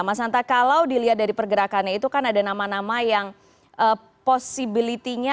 mas hanta kalau dilihat dari pergerakannya itu kan ada nama nama yang possibility nya